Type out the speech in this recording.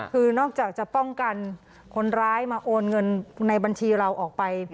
คือนอกจากจะป้องกันคนร้ายมาโอนเงินในบัญชีเราออกไป